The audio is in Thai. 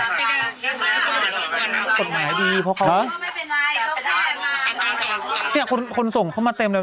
กฎหมายดีเพราะเขาเนี่ยคนคนส่งเขามาเต็มเลย